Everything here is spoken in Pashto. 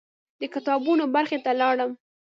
د کتابونو برخې ته لاړم.